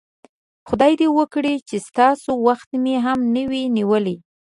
خدای دې وکړي چې ستاسو وخت مې هم نه وي نیولی.